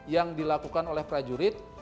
yang dilakukan oleh prajurit